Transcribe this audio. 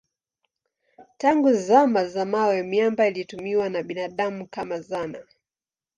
Tangu zama za mawe miamba ilitumiwa na binadamu kama zana.